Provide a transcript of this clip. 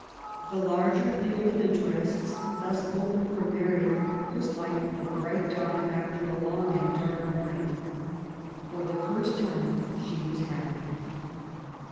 The larger field of interests thus opened for Mary was like the bright dawn after a long and dark night. For the first time she was happy.